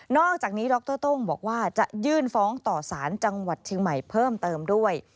อกจากนี้ดรต้งบอกว่าจะยื่นฟ้องต่อสารจังหวัดเชียงใหม่เพิ่มเติมด้วย